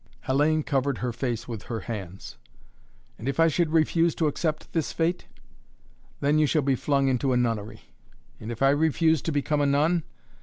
Hellayne covered her face with her hands. "And if I should refuse to accept this fate?" "Then you shall be flung into a nunnery." "And if I refuse to become a nun?"